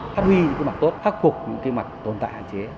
phát huy những mặt tốt khắc phục những mặt tồn tại hạn chế